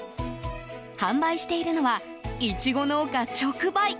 販売しているのはイチゴ農家直売。